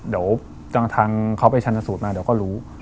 เดี๋ยวดังทางเขาไปชะนสูตรมาเราก็รู้